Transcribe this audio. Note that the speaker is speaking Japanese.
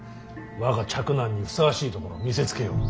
我が嫡男にふさわしいところを見せつけよう。